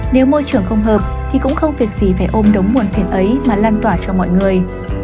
nếu môi trường không hợp thì cũng không việc gì phải ôm đống nguồn tiền ấy mà lan tỏa cho mọi người